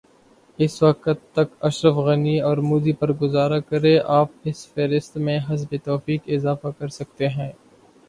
اس وقت تک اشرف غنی اورمودی پر گزارا کریں آپ اس فہرست میں حسب توفیق اضافہ کرسکتے ہیں۔